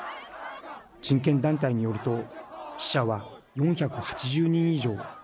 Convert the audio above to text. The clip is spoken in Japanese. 人権団体によると死者は４８０人以上。